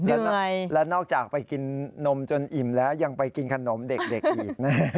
เดี๋ยวนะและนอกจากไปกินนมจนอิ่มแล้วยังไปกินขนมเด็กอีกนะ